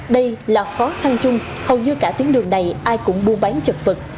đây là khó khăn chung hầu như cả tuyến đường này ai cũng buôn bán chật vật